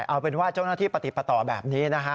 เอาเป็นว่าเจ้าหน้าที่ปฏิปต่อแบบนี้นะฮะ